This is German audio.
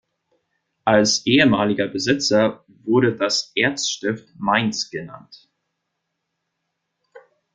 Als ehemaliger Besitzer wurde das Erzstift Mainz genannt.